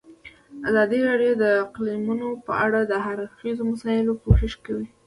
ازادي راډیو د اقلیتونه په اړه د هر اړخیزو مسایلو پوښښ کړی.